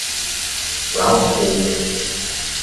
Ralph holds it.